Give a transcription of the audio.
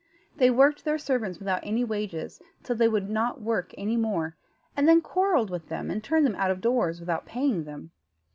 They worked their servants without any wages, till they would not work any more, and then quarrelled with them, and turned them out of doors without paying them.